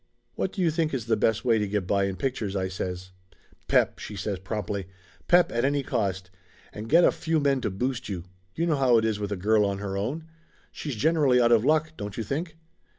"What do you think is the best way to get by in pictures?" I says. "Pep!" she says promptly. "Pep, at any cost. And get a few men to boost you. You know how it is with a girl on her own. She's generally out of luck, don't you think?"